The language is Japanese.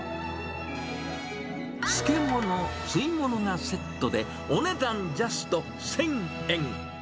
漬物、吸い物がセットでお値段ジャスト１０００円。